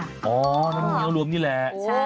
อั่นเท่ามีรวมนี้แหละ